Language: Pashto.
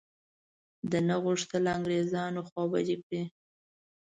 ده نه غوښتل انګرېزان خوابدي کړي.